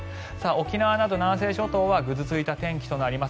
沖縄など南西諸島はぐずついた天気となります。